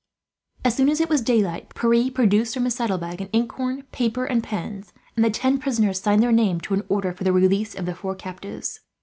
As soon as it was daylight, Pierre produced from his saddlebag an ink horn, paper, and pens; and the ten prisoners signed their name to an order for the release of the four captives.